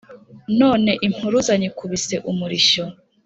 none impuruza nyikubise umurishyo